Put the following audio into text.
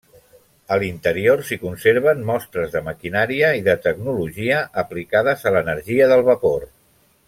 A l'interior s'hi conserven mostres de maquinària i de tecnologia aplicades a l'energia del vapor.